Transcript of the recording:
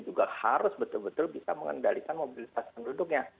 juga harus betul betul bisa mengendalikan mobilitas penduduknya